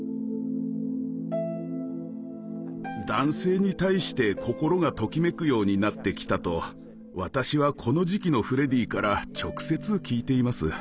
男性に対して心がときめくようになってきたと私はこの時期のフレディから直接聞いています。